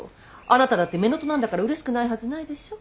あなただって乳母なんだからうれしくないはずないでしょ。